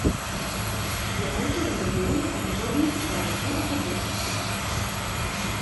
Je autorem mnoha odborných článků a publikací.